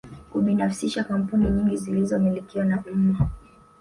Kubinafsisha kampuni nyingi zilizomilikiwa na umma